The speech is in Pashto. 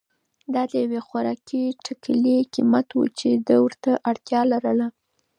دا د یوې خوراکي ټکلې قیمت و چې ده ورته اړتیا لرله.